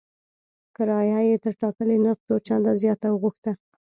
کرایه یې تر ټاکلي نرخ څو چنده زیاته وغوښته.